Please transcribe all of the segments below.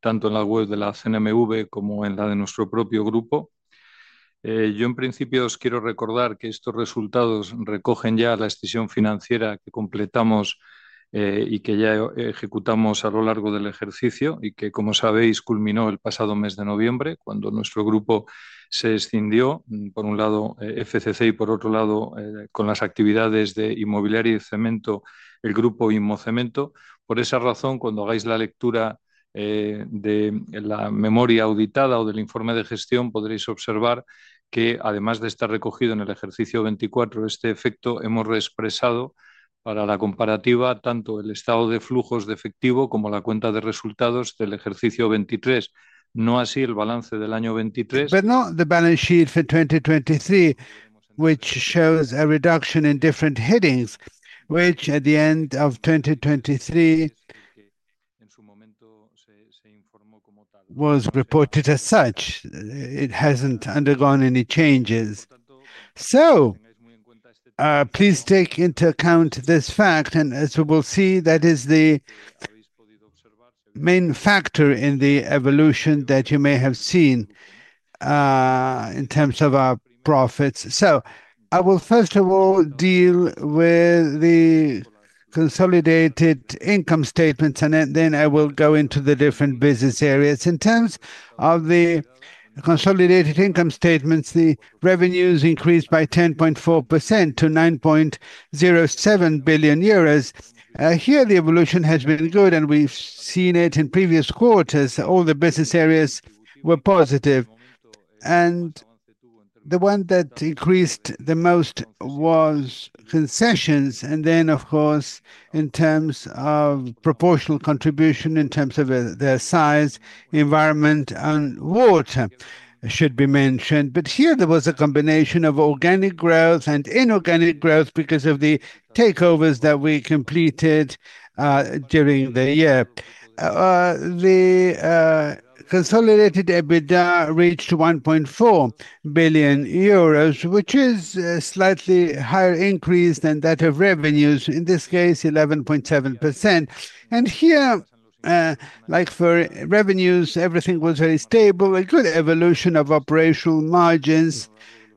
Tanto en la web de la CNMV como en la de nuestro propio grupo. Yo, en principio, os quiero recordar que estos resultados recogen ya la escisión financiera que completamos y que ya ejecutamos a lo largo del ejercicio, y que, como sabéis, culminó el pasado mes de noviembre, cuando nuestro grupo se escindió, por un lado FCC y, por otro lado, con las actividades de inmobiliaria y cemento, el grupo Inmocemento. Por esa razón, cuando hagáis la lectura de la memoria auditada o del informe de gestión, podréis observar que, además de estar recogido en el ejercicio 2024, este efecto hemos reexpresado para la comparativa tanto el estado de flujos de efectivo como la cuenta de resultados del ejercicio 2023. No así el balance del año 2023. But not the balance sheet for 2023, which shows a reduction in different headings, which at the end of 2023 was reported as such. It hasn't undergone any changes. So, please take into account this fact, and as we will see, that is the main factor in the evolution that you may have seen in terms of our profits. So, I will, first of all, deal with the consolidated income statements, and then I will go into the different business areas. In terms of the consolidated income statements, the revenues increased by 10.4% to 9.07 billion euros. Here, the evolution has been good, and we've seen it in previous quarters. All the business areas were positive. And the one that increased the most was concessions, and then, of course, in terms of proportional contribution, in terms of their size, environment, and water, should be mentioned. But here, there was a combination of organic growth and inorganic growth because of the takeovertathaaathathathath that completed during the year. The consolidated EBITDA reached 1.4 billion euros, which is a slightly higher increase than that of revenues, in this case, 11.7%. And here, like for revenues, everything was very stable. A good evolution of operational margins.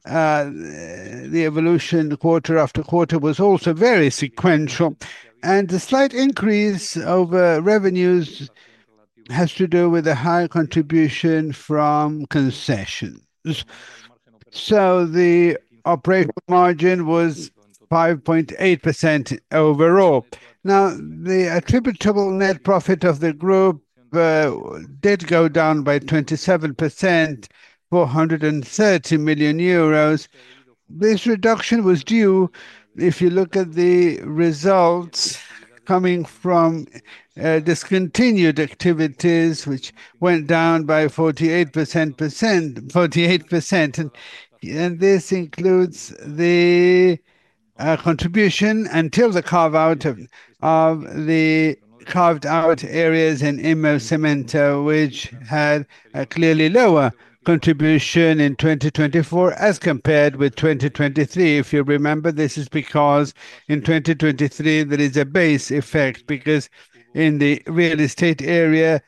The evolution quarter after quarter was also very sequential. And the slight increase over revenues has to do with a high contribution from concessions. So, the operating margin was 5.8% overall. Now, the attributable net profit of the group did go down by 27%, 430 million euros. This reduction was due, if you look at the results coming from discontinued activities, which went down by 48%. And this includes the contribution until the carve-out of the carved-oucarved-outcarved-oucarved-outtt areas in Inmocemento, which had a clearly lower contribution in 2024 as compared with 2023. If you remember, this is because in 2023, there is a base effect because in the real estate area,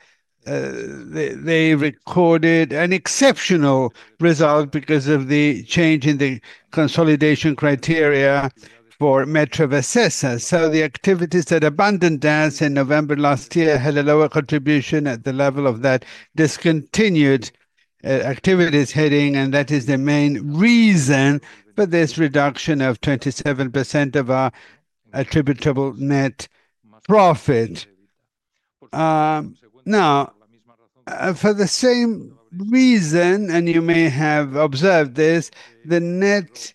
they recorded an exceptional result because of the change in the consolidation criteria for Metrovacesa, so the activities that abandoned us in November last year had a lower contribution at the level of that discontinued activities heading, and that is the main reason for this reduction of 27% of our attributable net profit. Now, for the same reason, and you may have observed this, the net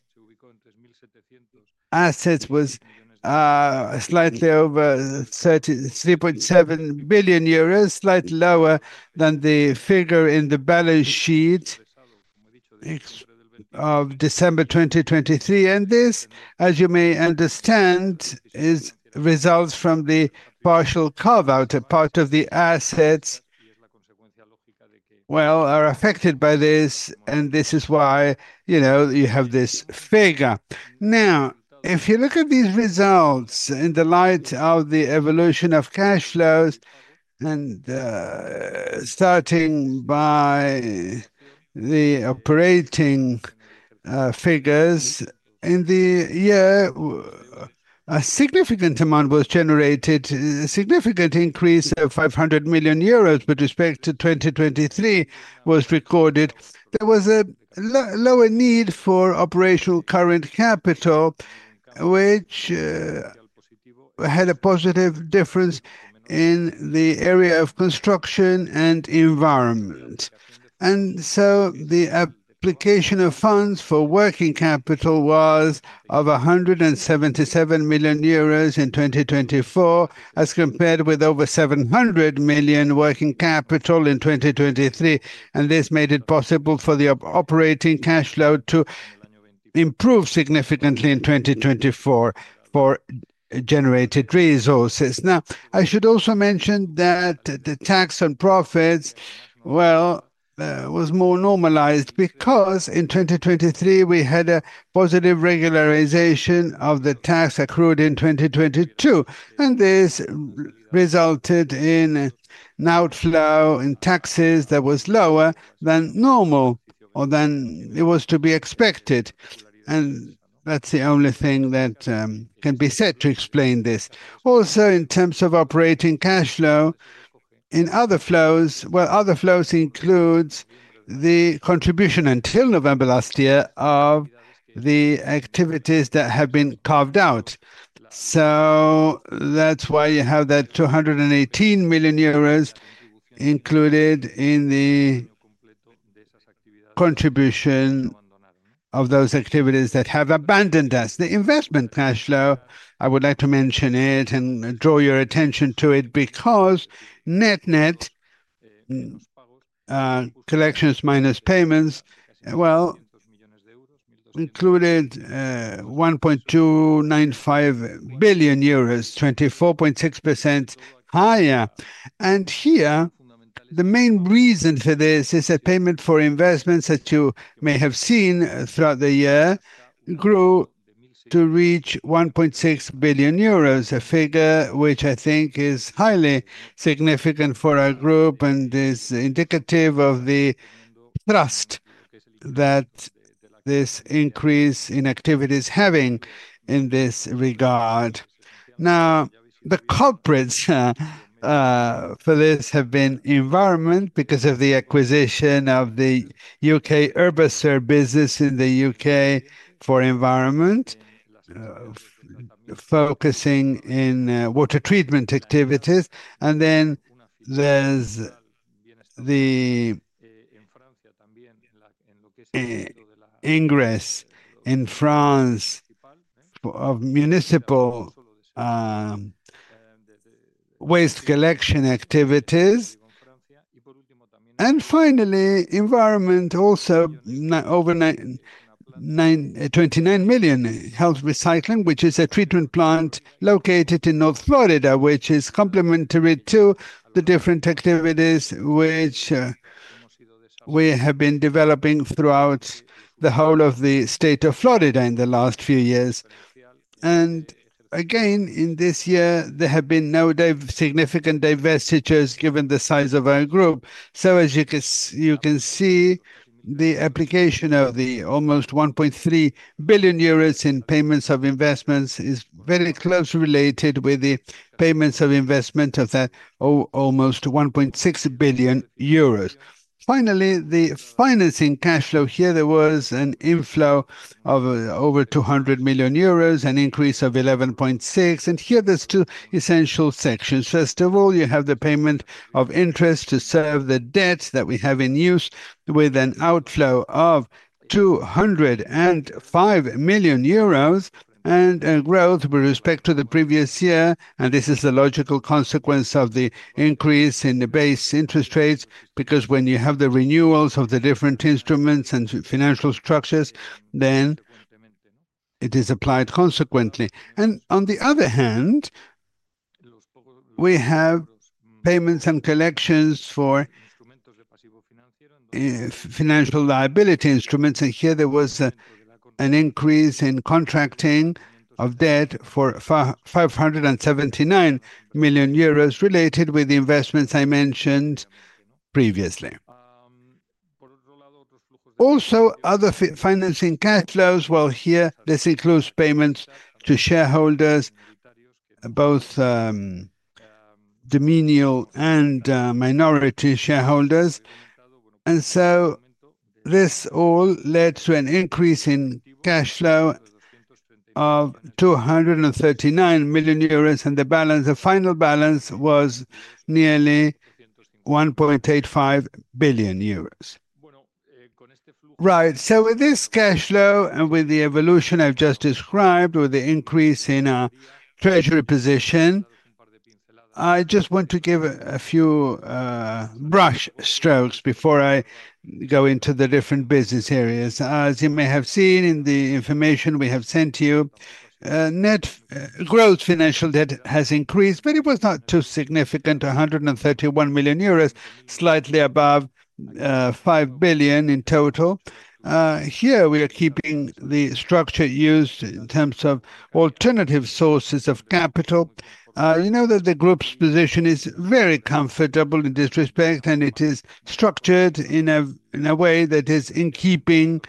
assets was slightly over 3.7 billion euros, slightly lower than the figure in the balance sheet of December 2023, and this, as you may understand, is results from the partial carve-out. A part of the assets, well, are affected by this, and this is why you have this figure. Now, if you look at these results in the light of the evolution of cash flows, and starting by the operating figures in the year, a significant amount was generated, a significant increase of 500 million euros with respect to 2023 was recorded. There was a lower need for operational current capital, which had a positive difference in the area of construction and environment. And so, the application of funds for working capital was of 177 million euros in 2024, as compared with over 700 million working capital in 2023. And this made it possible for the operating cash flow to improve significantly in 2024 for generated resources. Now, I should also mention that the tax on profits, well, was more normalized because in 2023, we had a positive regularization of the tax accrued in 2022. This resulted in an outflow in taxes that was lower than normal or than it was to be expected. That's the only thing that can be said to explain this. Also, in terms of operating cash flow, in other flows, well, other flows include the contribution until November last year of the activities that have been carved out. That's why you have that 218 million euros included in the contribution of those activities that have abandoned us. The investment cash flow, I would like to mention it and draw your attention to it because net-net collections minus payments, well, included 1.295 billion EUR, 24.6% higher. And here, the main reason for this is that payment for investments that you may have seen throughout the year grew to reach 1.6 billion euros, a figure which I think is highly significant for our group and is indicative of the trust that this increase in activities is having in this regard. Now, the culprits for this have been environment because of the acquisition of the UK Urbaser business in the UK for environment, focusing in water treatment activities. And then there's the ingress in France of municipal waste collection activities. And finally, environment also over 29 million GEL Recycling, which is a treatment plant located in North Florida, which is complementary to the different activities which we have been developing throughout the whole of the state of Florida in the last few years. And again, in this year, there have been no significant divestitures given the size of our group. So, as you can see, the application of almost 1.3 billion euros in payments of investments is very closely related with the payments of investment of that almost 1.6 billion euros. Finally, the financing cash flow here, there was an inflow of over 200 million euros, an increase of 11.6. And here, there are two essential sections. First of all, you have the payment of interest to serve the debt that we have in use with an outflow of 205 million euros and a growth with respect to the previous year. And this is the logical consequence of the increase in the base interest rates because when you have the renewals of the different instruments and financial structures, then it is applied consequently. And on the other hand, we have payments and collections for financial liability instruments. And here, there was an increase in contracting of debt for 579 million euros related with the investments I mentioned previously. Also, other financing cash flows, well, here, this includes payments to shareholders, both majority and minority shareholders. And so, this all led to an increase in cash flow of 239 million euros, and the final balance was nearly 1.85 billion euros. Right. So, with this cash flow and with the evolution I've just described, with the increase in our treasury position, I just want to give a few brush strokes before I go into the different business areas. As you may have seen in the information we have sent to you, net financial debt has increased, but it was not too significant, 131 million euros, slightly above 5 billion in total. Here, we are keeping the structure used in terms of alternative sources of capital. You know that the group's position is very comfortable in this respect, and it is structured in a way that is in keeping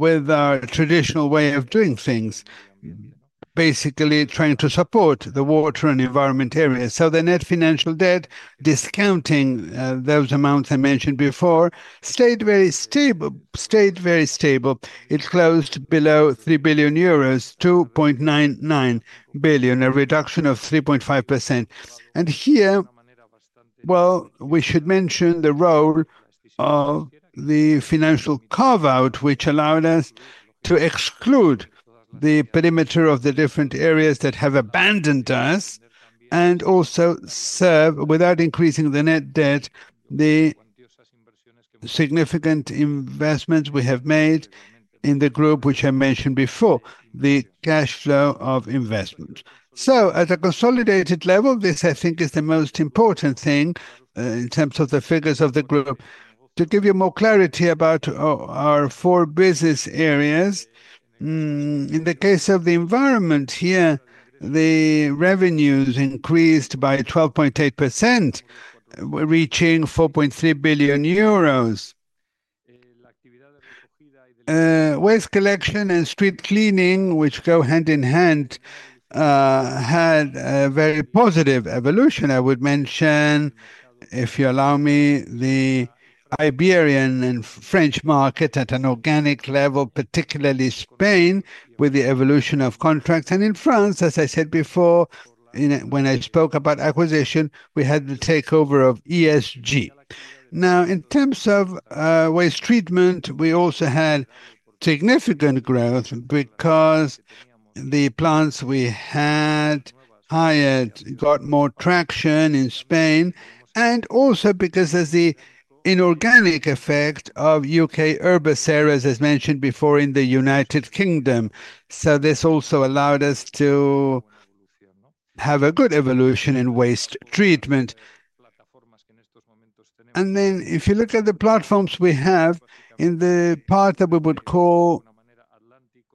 with our traditional way of doing things, basically trying to support the water and environment areas, so the net financial debt, discounting those amounts I mentioned before, stayed very stable. It closed below 3 billion euros, 2.99 billion, a reduction of 3.5%, and here, well, we should mention the role of the financial carve-out, which allowed us to exclude the perimeter of the different areas that have abandoned us and also serve, without increasing the net debt, the significant investments we have made in the group, which I mentioned before, the cash flow of investments. At a consolidated level, this, I think, is the most important thing in terms of the figures of the group. To give you more clarity about our four business areas, in the case of the environment here, the revenues increased by 12.8%, reaching 4.3 billion euros. Waste collection and street cleaning, which go hand in hand, had a very positive evolution. I would mention, if you allow me, the Iberian and French market at an organic level, particularly Spain, with the evolution of contracts. In France, as I said before, when I spoke about acquisition, we had the takeover of ESG. Now, in terms of waste treatment, we also had significant growth because the plants we had hired got more traction in Spain, and also because of the inorganic effect of UK Urbaser, as mentioned before, in the United Kingdom. This also allowed us to have a good evolution in waste treatment. And then, if you look at the platforms we have in the part that we would call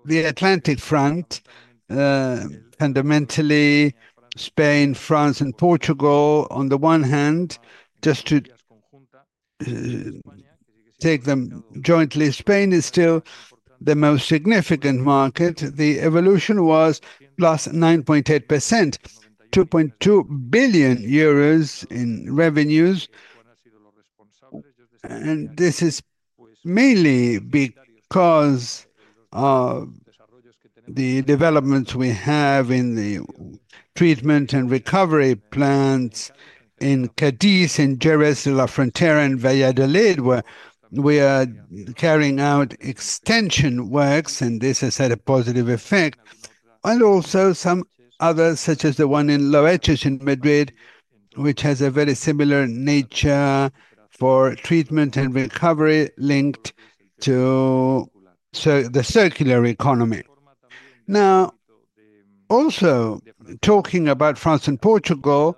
the Atlantic front, fundamentally Spain, France, and Portugal, on the one hand, just to take them jointly, Spain is still the most significant market. The evolution was +9.8%, EUR 2.2 billion in revenues. And this is mainly because of the developments we have in the treatment and recovery plants in Cádiz, in Jerez de la Frontera, and Valladolid, where we are carrying out extension works, and this has had a positive effect. And also some others, such as the one in Loeches in Madrid, which has a very similar nature for treatment and recovery linked to the circular economy. Now, also talking about France and Portugal,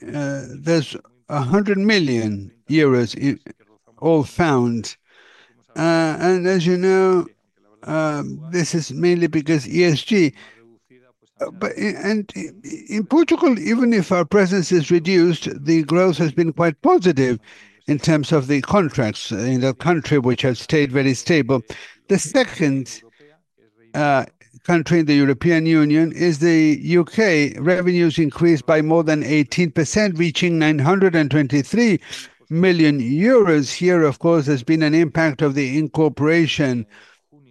there's 100 million euros all in. And as you know, this is mainly because ESG. And in Portugal, even if our presence is reduced, the growth has been quite positive in terms of the contracts in the country, which has stayed very stable. The second country in the European Union is the U.K. Revenues increased by more than 18%, reaching 923 million euros. Here, of course, there's been an impact of the incorporation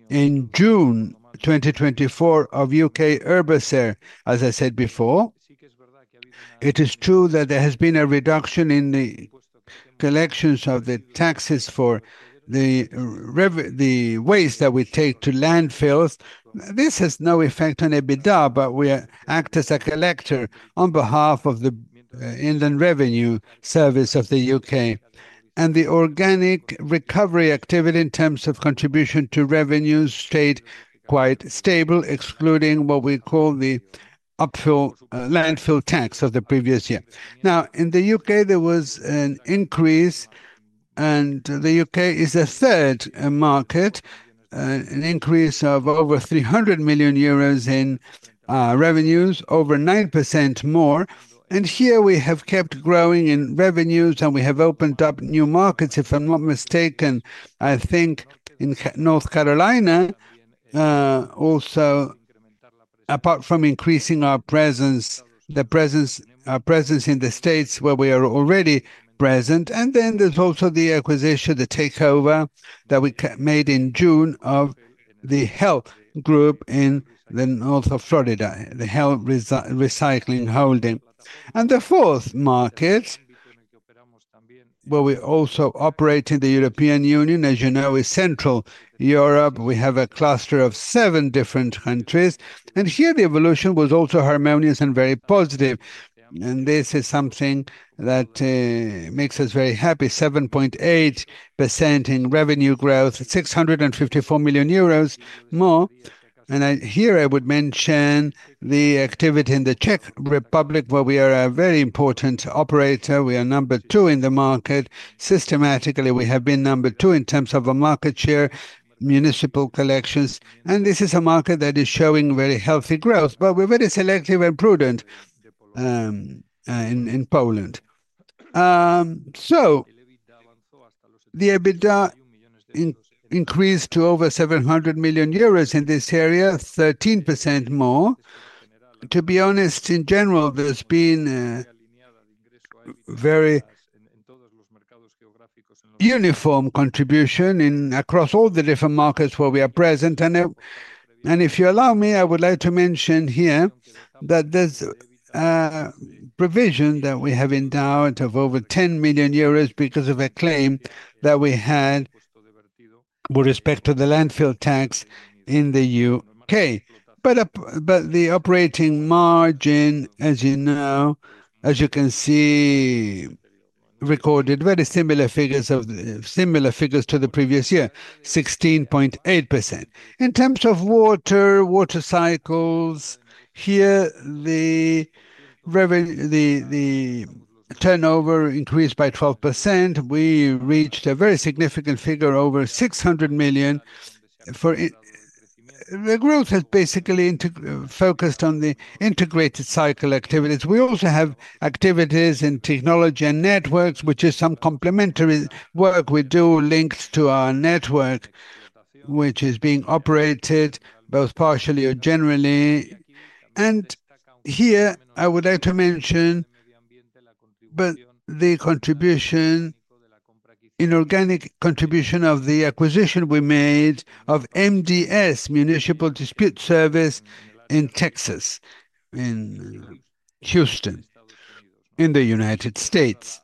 in June 2024 of UK Urbaser. As I said before, it is true that there has been a reduction in the collections of the taxes for the waste that we take to landfills. This has no effect on EBITDA, but we act as a collector on behalf of the HM Revenue and Customs of the U.K. And the organic recovery activity in terms of contribution to revenues stayed quite stable, excluding what we call the landfill tax of the previous year. Now, in the U.K., there was an increase, and the U.K. is a third market, an increase of over 300 million euros in revenues, over 9% more. And here, we have kept growing in revenues, and we have opened up new markets, if I'm not mistaken, I think, in North Carolina. Also, apart from increasing our presence, our presence in the States where we are already present. And then there's also the acquisition, the takeover that we made in June of the GEL Group in the north of Florida, the GEL Recycling Holdings. And the fourth market, where we also operate in the European Union, as you know, is Central Europe. We have a cluster of seven different countries. And here, the evolution was also harmonious and very positive. And this is something that makes us very happy, 7.8% in revenue growth, 654 million euros more. Here, I would mention the activity in the Czech Republic, where we are a very important operator. We are number two in the market. Systematically, we have been number two in terms of a market share, municipal collections. This is a market that is showing very healthy growth, but we're very selective and prudent in Poland. The EBITDA increased to over 700 million euros in this area, 13% more. To be honest, in general, there's been a very uniform contribution across all the different markets where we are present. If you allow me, I would like to mention here that there's a provision that we have in doubt of over 10 million euros because of a claim that we had with respect to the landfill tax in the U.K. But the operating margin, as you know, as you can see, recorded very similar figures to the previous year, 16.8%. In terms of water, water cycles, here, the turnover increased by 12%. We reached a very significant figure, over 600 million. The growth has basically focused on the integrated cycle activities. We also have activities in technology and networks, which is some complementary work we do linked to our network, which is being operated both partially or generally. And here, I would like to mention the inorganic contribution of the acquisition we made of MDS, Municipal District Services, in Texas, in Houston, in the United States.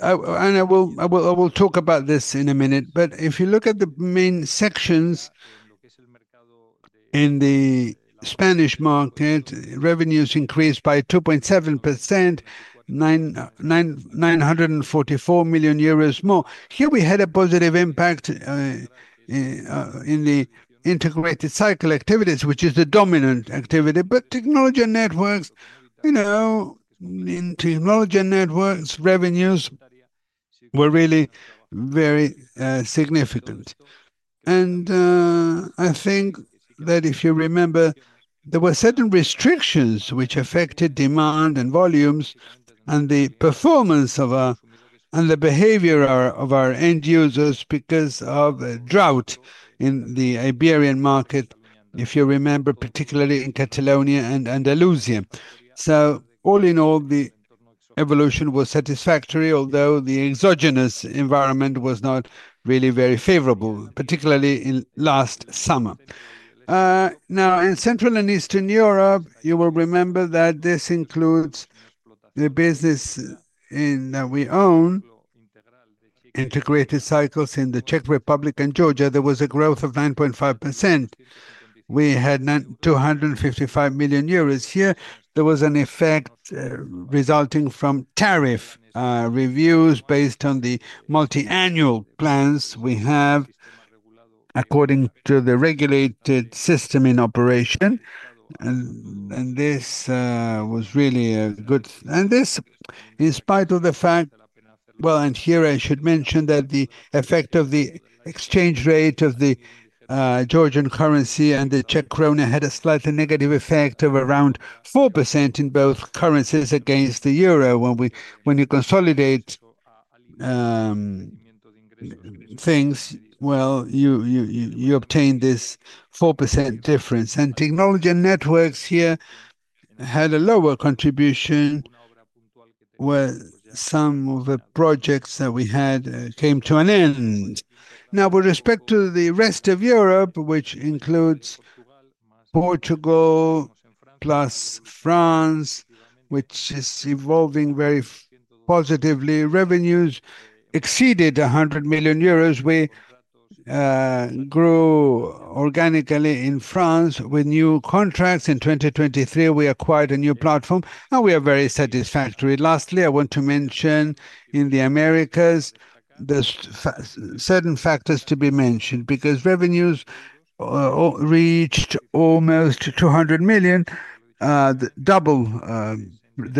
And I will talk about this in a minute. But if you look at the main sections in the Spanish market, revenues increased by 2.7%, 944 million euros more. Here, we had a positive impact in the integrated cycle activities, which is the dominant activity, but technology and networks, you know, in technology and networks, revenues were really very significant, and I think that if you remember, there were certain restrictions which affected demand and volumes and the performance of our and the behavior of our end users because of drought in the Iberian market, if you remember, particularly in Catalonia and Andalusia, so all in all, the evolution was satisfactory, although the exogenous environment was not really very favorable, particularly last summer. Now, in Central and Eastern Europe, you will remember that this includes the business that we own, integrated cycles in the Czech Republic and Georgia. There was a growth of 9.5%. We had 255 million euros here. There was an effect resulting from tariff reviews based on the multi-annual plans we have, according to the regulated system in operation. This was really a good. This, in spite of the fact, well, and here I should mention that the effect of the exchange rate of the Georgian currency and the Czech Krona had a slightly negative effect of around 4% in both currencies against the euro. When you consolidate things, well, you obtain this 4% difference. Technology and networks here had a lower contribution where some of the projects that we had came to an end. With respect to the rest of Europe, which includes Portugal plus France, which is evolving very positively, revenues exceeded 100 million euros. We grew organically in France with new contracts. In 2023, we acquired a new platform, and we are very satisfactory. Lastly, I want to mention in the Americas there's certain factors to be mentioned because revenues reached almost 200 million, double the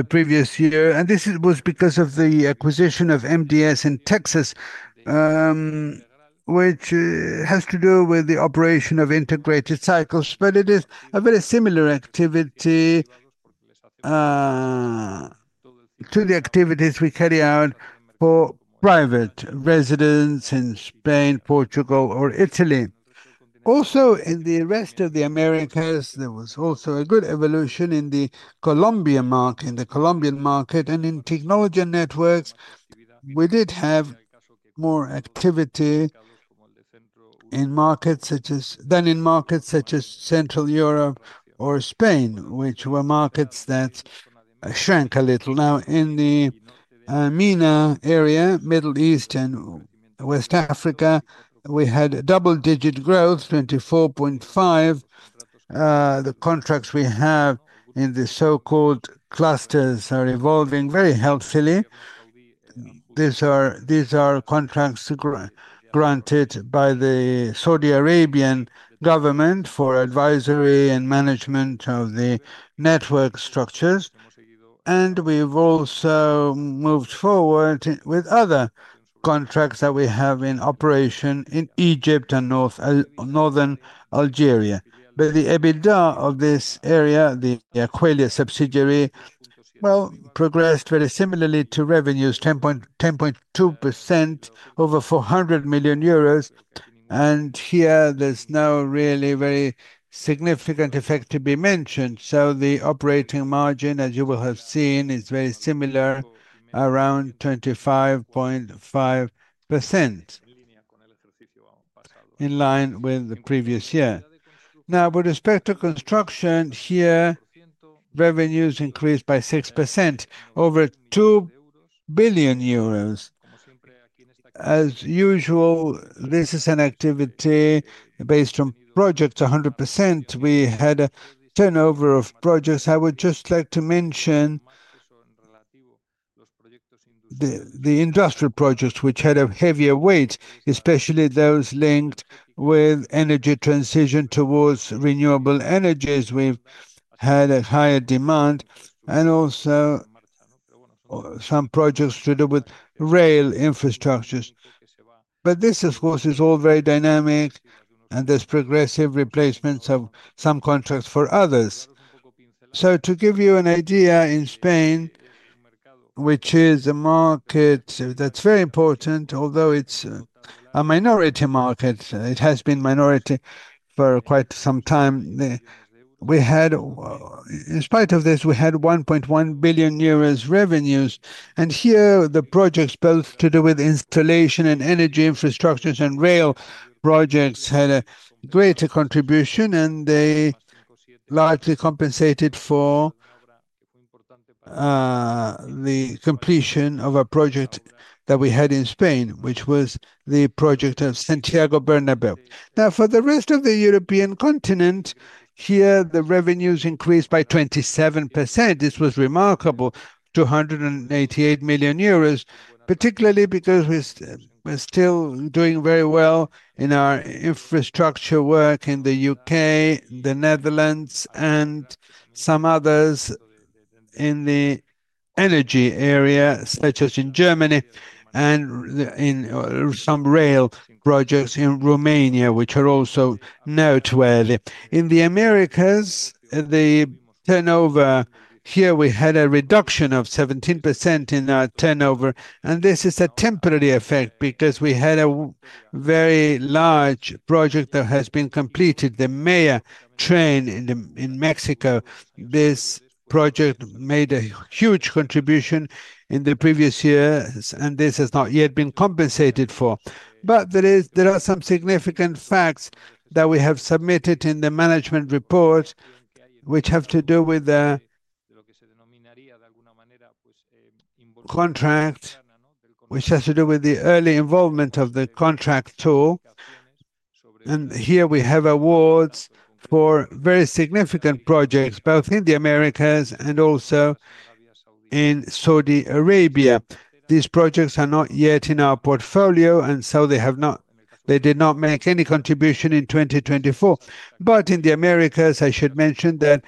previous year. This was because of the acquisition of MDS in Texas, which has to do with the operation of integrated water cycle. It is a very similar activity to the activities we carry out for private residents in Spain, Portugal, or Italy. Also, in the rest of the Americas, there was also a good evolution in the Colombian market, and in technology and networks, we did have more activity than in markets such as Central Europe or Spain, which were markets that shrank a little. Now, in the MENA area, Middle East and West Africa, we had double-digit growth, 24.5%. The contracts we have in the so-called clusters are evolving very healthily. These are contracts granted by the Saudi Arabian government for advisory and management of the network structures, and we've also moved forward with other contracts that we have in operation in Egypt and northern Algeria, but the EBITDA of this area, the Aqualia subsidiary, well, progressed very similarly to revenues, 10.2% over 400 million euros. And here, there's no really very significant effect to be mentioned, so the operating margin, as you will have seen, is very similar, around 25.5%, in line with the previous year. Now, with respect to construction here, revenues increased by 6%, over 2 billion euros. As usual, this is an activity based on projects 100%. We had a turnover of projects. I would just like to mention the industrial projects, which had a heavier weight, especially those linked with energy transition towards renewable energies, which had a higher demand, and also some projects to do with rail infrastructures. But this, of course, is all very dynamic, and there's progressive replacements of some contracts for others. So, to give you an idea, in Spain, which is a market that's very important, although it's a minority market, it has been a minority for quite some time. In spite of this, we had 1.1 billion euros revenues. And here, the projects, both to do with installation and energy infrastructures and rail projects, had a greater contribution, and they largely compensated for the completion of a project that we had in Spain, which was the project of Santiago Bernabéu. Now, for the rest of the European continent, here, the revenues increased by 27%. This was remarkable, 288 million euros, particularly because we're still doing very well in our infrastructure work in the U.K., the Netherlands, and some others in the energy area, such as in Germany, and in some rail projects in Romania, which are also noteworthy. In the Americas, the turnover, here we had a reduction of 17% in our turnover. And this is a temporary effect because we had a very large project that has been completed, the Tren Maya in Mexico. This project made a huge contribution in the previous year, and this has not yet been compensated for. But there are some significant facts that we have submitted in the management report, which have to do with the contract, which has to do with the early involvement of the contractor. And here we have awards for very significant projects, both in the Americas and also in Saudi Arabia. These projects are not yet in our portfolio, and so they did not make any contribution in 2024. But in the Americas, I should mention that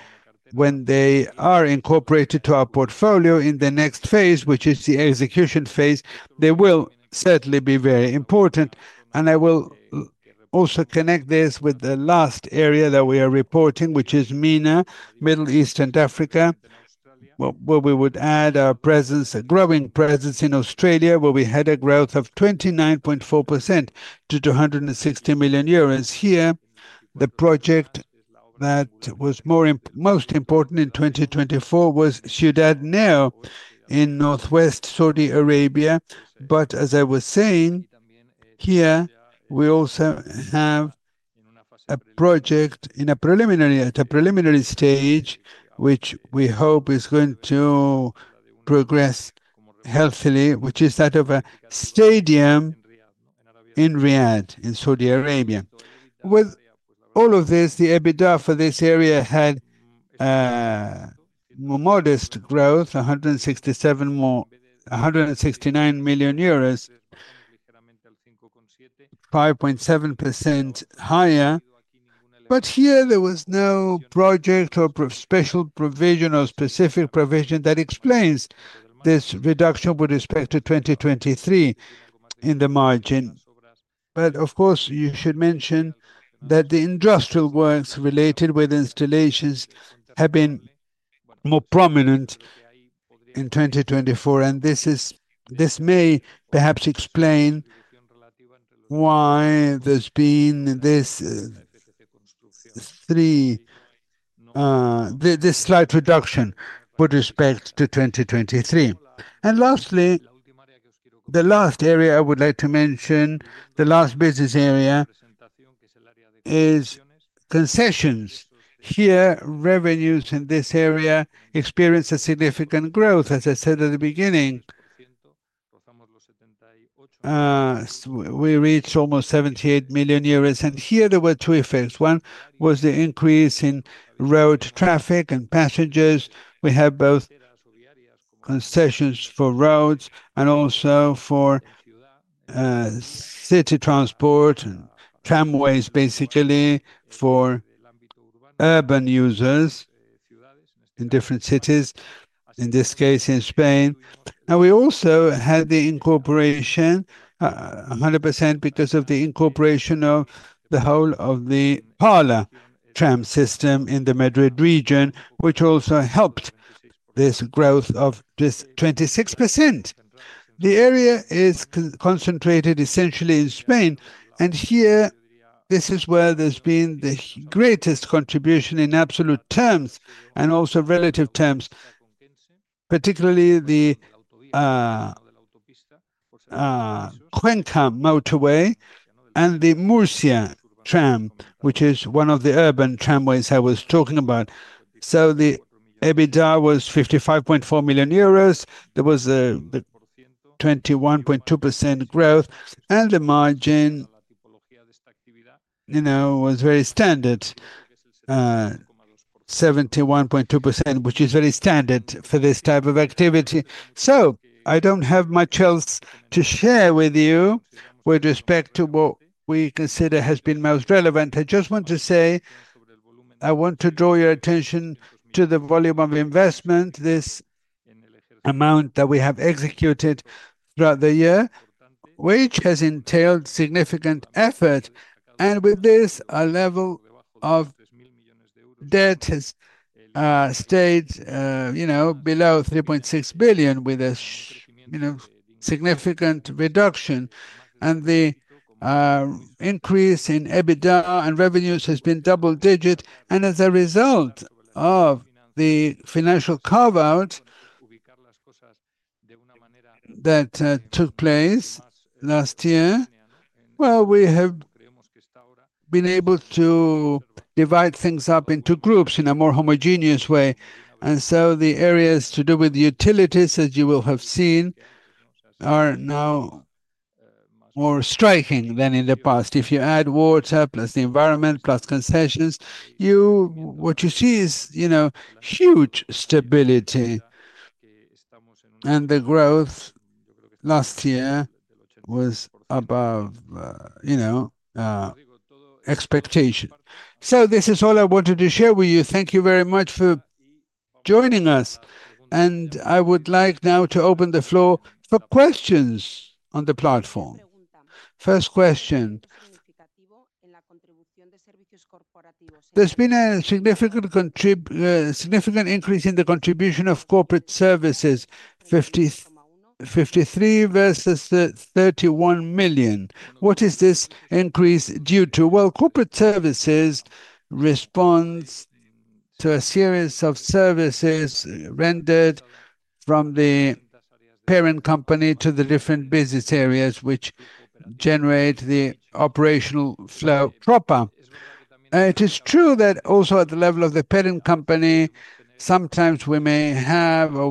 when they are incorporated to our portfolio in the next phase, which is the execution phase, they will certainly be very important. And I will also connect this with the last area that we are reporting, which is MENA, Middle East and Africa, where we would add our presence, a growing presence in Australia, where we had a growth of 29.4% to 260 million euros. Here, the project that was most important in 2024 was Ciudad in northwest Saudi Arabia. But as I was saying, here, we also have a project at a preliminary stage, which we hope is going to progress healthily, which is that of a stadium in Riyadh in Saudi Arabia. With all of this, the EBITDA for this area had modest growth, EUR 169 million, 5.7% higher. But here, there was no project or special provision or specific provision that explains this reduction with respect to 2023 in the margin. But of course, you should mention that the industrial works related with installations have been more prominent in 2024. And this may perhaps explain why there's been this slight reduction with respect to 2023. And lastly, the last area I would like to mention, the last business area, is concessions. Here, revenues in this area experience a significant growth. As I said at the beginning, we reached almost 78 million euros. And here, there were two effects. One was the increase in road traffic and passengers. We have both concessions for roads and also for city transport and tramways, basically, for urban users in different cities, in this case in Spain. And we also had the incorporation, 100% because of the incorporation of the whole of the Parla tram system in the Madrid region, which also helped this growth of just 26%. The area is concentrated essentially in Spain. And here, this is where there's been the greatest contribution in absolute terms and also relative terms, particularly the Cuenca motorway and the Murcia tram, which is one of the urban tramways I was talking about. So the EBITDA was 55.4 million euros. There was a 21.2% growth. And the margin was very standard, 71.2%, which is very standard for this type of activity. So I don't have much else to share with you with respect to what we consider has been most relevant. I just want to say, I want to draw your attention to the volume of investment, this amount that we have executed throughout the year, which has entailed significant effort, and with this, our level of debt has stayed below 3.6 billion with a significant reduction, and the increase in EBITDA and revenues has been double-digit, and as a result of the financial carve-out that took place last year, well, we have been able to divide things up into groups in a more homogeneous way, and so the areas to do with utilities, as you will have seen, are now more striking than in the past. If you add water plus the environment plus concessions, what you see is huge stability, and the growth last year was above expectation, so this is all I wanted to share with you. Thank you very much for joining us. I would like now to open the floor for questions on the platform. First question. There's been a significant increase in the contribution of corporate services, 53 million versus 31 million. What is this increase due to? Corporate services respond to a series of services rendered from the parent company to the different business areas, which generate the operational flow proper. It is true that also at the level of the parent company, sometimes we may have or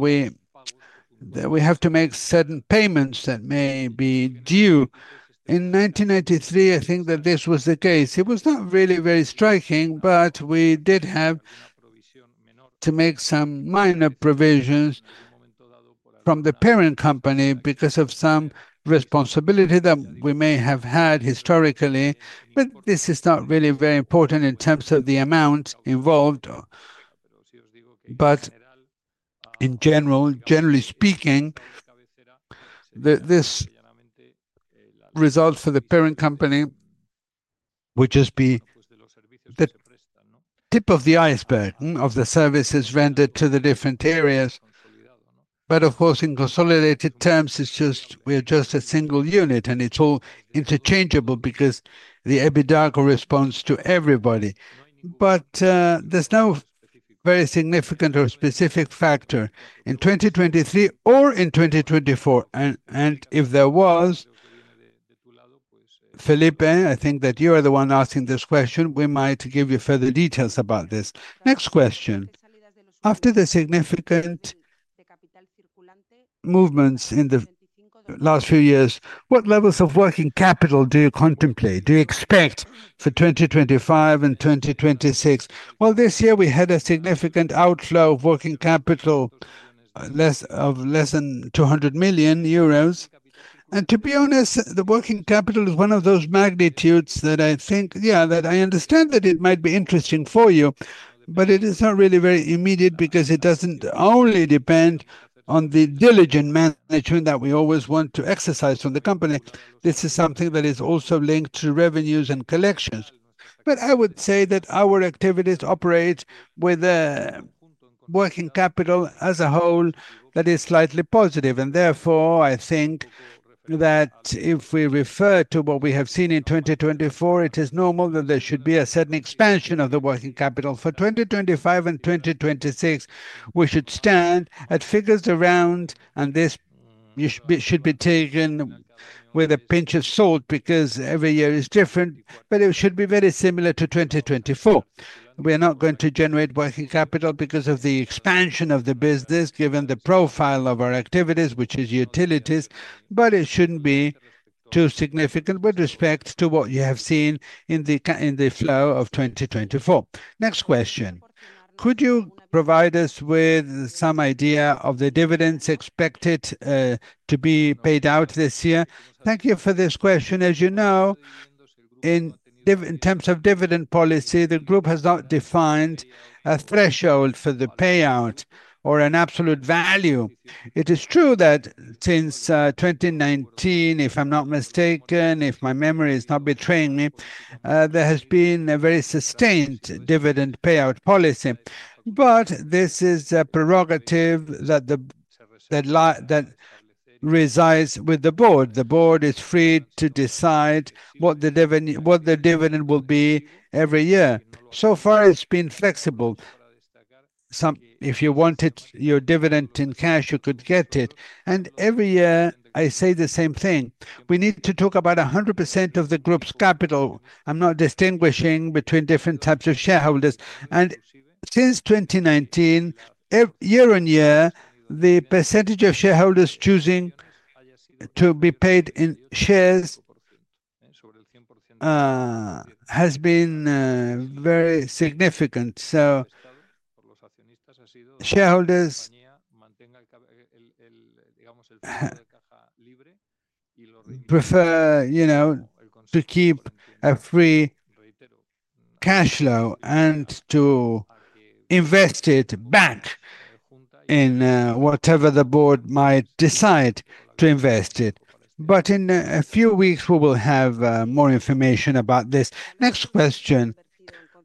we have to make certain payments that may be due. In 1993, I think that this was the case. It was not really very striking, but we did have to make some minor provisions from the parent company because of some responsibility that we may have had historically. But this is not really very important in terms of the amount involved. But in general, generally speaking, this result for the parent company would just be the tip of the iceberg of the services rendered to the different areas. But of course, in consolidated terms, we're just a single unit, and it's all interchangeable because the EBITDA corresponds to everybody. But there's no very significant or specific factor in 2023 or in 2024. And if there was, Felipe, I think that you are the one asking this question. We might give you further details about this. Next question. After the significant movements in the last few years, what levels of working capital do you contemplate? Do you expect for 2025 and 2026? Well, this year, we had a significant outflow of working capital of less than 200 million euros. To be honest, the working capital is one of those magnitudes that I think, yeah, that I understand that it might be interesting for you, but it is not really very immediate because it doesn't only depend on the diligent management that we always want to exercise from the company. This is something that is also linked to revenues and collections. But I would say that our activities operate with working capital as a whole that is slightly positive. Therefore, I think that if we refer to what we have seen in 2024, it is normal that there should be a certain expansion of the working capital. For 2025 and 2026, we should stand at figures around, and this should be taken with a pinch of salt because every year is different, but it should be very similar to 2024. We are not going to generate working capital because of the expansion of the business, given the profile of our activities, which is utilities, but it shouldn't be too significant with respect to what you have seen in the flow of 2024. Next question. Could you provide us with some idea of the dividends expected to be paid out this year? Thank you for this question. As you know, in terms of dividend policy, the group has not defined a threshold for the payout or an absolute value. It is true that since 2019, if I'm not mistaken, if my memory is not betraying me, there has been a very sustained dividend payout policy. But this is a prerogative that resides with the board. The board is free to decide what the dividend will be every year. So far, it's been flexible. If you wanted your dividend in cash, you could get it, and every year I say the same thing. We need to talk about 100% of the group's capital. I'm not distinguishing between different types of shareholders. And since 2019, year on year, the percentage of shareholders choosing to be paid in shares has been very significant. Shareholders prefer to keep a free cash flow and to invest it back in whatever the board might decide to invest it. In a few weeks, we will have more information about this. Next question.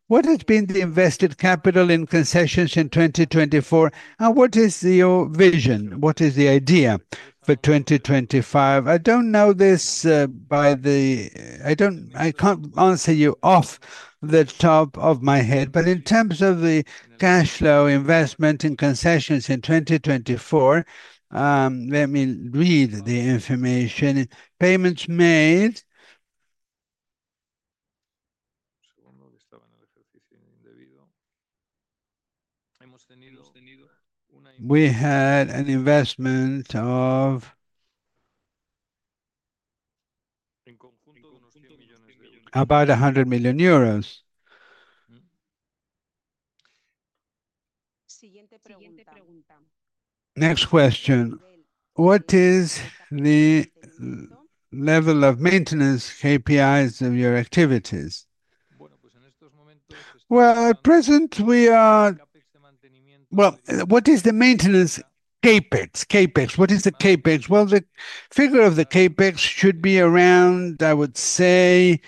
What has been the invested capital in concessions in 2024? And what is your vision? What is the idea for 2025? I don't know this by heart. I can't answer you off the top of my head, but in terms of the cash flow investment in concessions in 2024, let me read the information. Payments made. We had an investment of about EUR 100 million. Next question. What is the level of maintenance KPIs of your activities? Well, at present, we are what is the maintenance CapEx? What is the CapEx? Well, the figure of the CapEx should be around, I would say,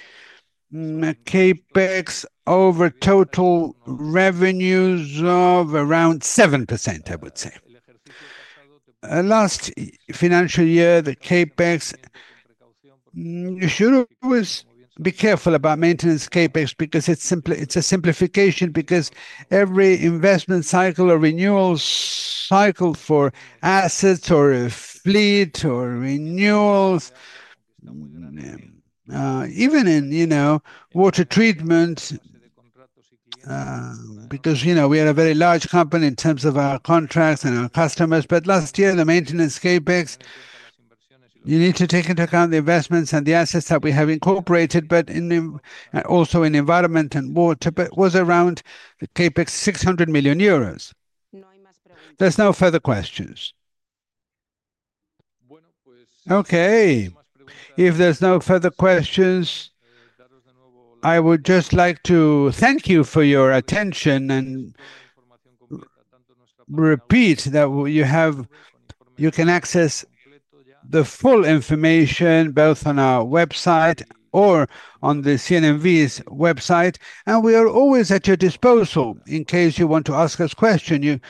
CapEx over total revenues of around 7%, I would say. Last financial year, the CapEx should always be careful about maintenance CapEx because it's a simplification because every investment cycle or renewal cycle for assets or a fleet or renewals, even in water treatment, because we are a very large company in terms of our contracts and our customers. But last year, the maintenance CapEx, you need to take into account the investments and the assets that we have incorporated, but also in environment and water, but it was around CapEx 600 million euros. There's no further questions. Okay. If there's no further questions, I would just like to thank you for your attention and repeat that you can access the full information both on our website or on the CNMV's website, and we are always at your disposal in case you want to ask us questions.